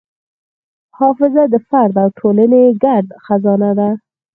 حافظه د فرد او ټولنې ګډ خزانه ده.